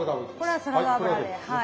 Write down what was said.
これはサラダ油ではい。